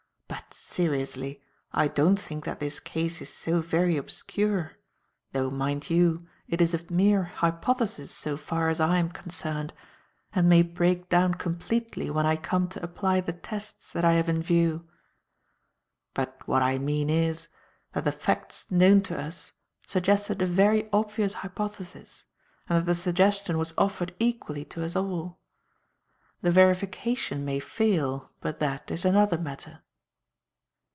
But, seriously, I don't think that this case is so very obscure, though mind you, it is a mere hypothesis so far as I am concerned, and may break down completely when I come to apply the tests that I have in view. But what I mean is, that the facts known to us suggested a very obvious hypothesis and that the suggestion was offered equally to us all. The verification may fail, but that is another matter."